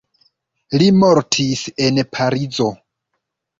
Li mortis en Parizo.